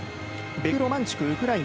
ベクロマンチュク、ウクライナ。